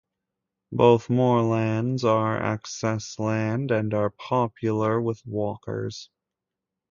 Both moorlands are access land, and are popular with walkers.